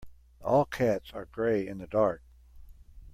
All cats are grey in the dark.